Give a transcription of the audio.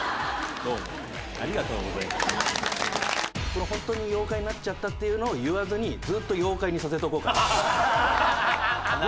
この「本当に妖怪になっちゃった」っていうのを言わずにずっと妖怪にさせとこうかな。